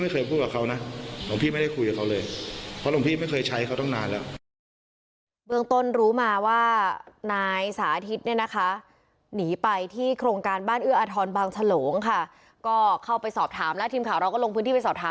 แล้วก็มันก็เดินหนีเอาไปเลยพอที่ให้พระเดินไปตามก็เดินไม่ทัน